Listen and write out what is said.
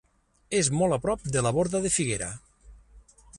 És molt a prop de la Borda de Figuera.